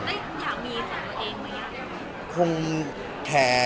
อยากมีแขกตัวเองหรืออยากมีแขก